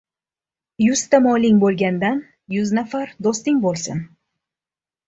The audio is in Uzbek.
• Yuzta moling bo‘lgandan yuz nafar do‘sting bo‘lsin.